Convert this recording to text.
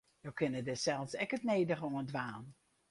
Jo kinne dêr sels ek it nedige oan dwaan.